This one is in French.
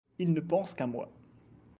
Il ne pense qu’à moi.